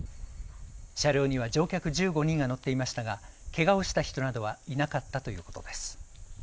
車両には乗客１５人が乗っていましたが、けがをした人などはいなかったということです。